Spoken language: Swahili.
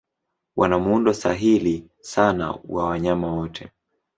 Wana muundo sahili sana wa wanyama wote.